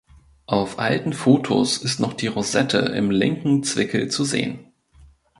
Auf alten Fotos ist noch die Rosette im linken Zwickel zu sehen.